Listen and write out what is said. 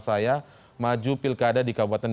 saya maju pilkada di kabupaten